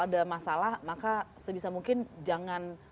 ada masalah maka sebisa mungkin jangan